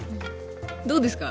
どうですか？